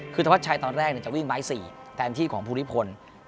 คือธวัดชัยตอนแรกจะวิ่งไม้๔แทนที่ของภูริพล